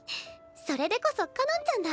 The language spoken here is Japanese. それでこそかのんちゃんだ。